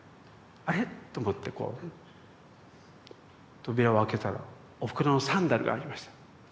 「あれ？」と思ってこう扉を開けたらおふくろのサンダルがありました。